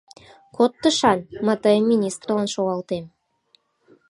— Код тышан, мый тыйым министрлан шогалтем.